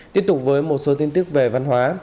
tiếp tục với một số tin tức về văn hóa